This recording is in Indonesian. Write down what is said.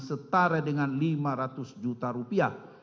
setara dengan lima ratus juta rupiah